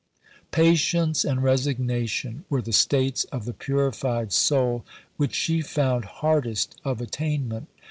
Patience and resignation were the states of the purified soul which she found hardest of attainment.